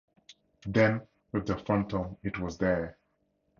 Then with the Phantom, it was there!